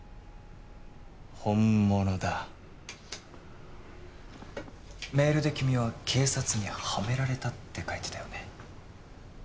本物だメールで君は警察にはめられたって書いてたよね？